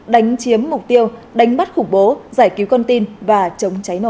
đánh chiếm mục tiêu đánh bắt khủng bố giải cứu con tin và chống cháy nổ